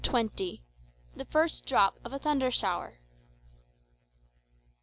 XX The First Drop of a Thunder Shower.